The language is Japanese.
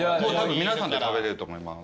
皆さんで食べれると思います。